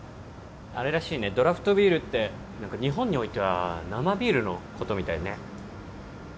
あれらしいねドラフトビールって何か日本においては生ビールのことみたいね